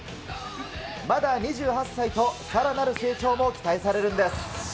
まだ２８歳と、さらなる成長も期待されるんです。